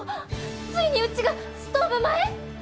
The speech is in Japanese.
ついにうちがストーブ前？